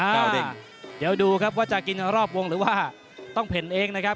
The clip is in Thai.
เดี๋ยวดูครับว่าจะกินรอบวงหรือว่าต้องเพ่นเองนะครับ